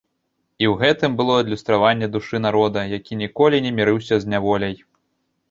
І ў гэтым было адлюстраванне душы народа, які ніколі не мірыўся з няволяй.